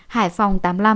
hải phòng tám mươi năm